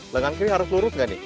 lengan kiri harus lurus gak nih